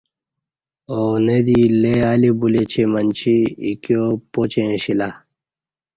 اونہ دی لے الی بلے چہ منچی ایکیوپاچیں اشیلہ